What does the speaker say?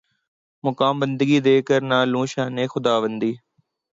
مقام بندگی دے کر نہ لوں شان خداوندی